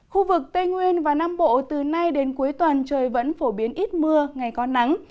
khu vực tây nguyên và nam bộ từ nay đến cuối tuần trời vẫn phổ biến ít mưa ngày có nắng